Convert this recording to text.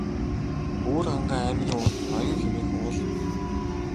Өвөрхангай аймгийн урд Ноён хэмээх уул бий.